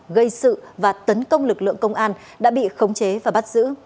gây sự và tấn công lực lượng công an đã bị khống chế và bắt giữ